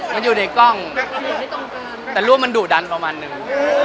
มันอยู่ในกล้องแต่รูปมันดุดันประมาณนึง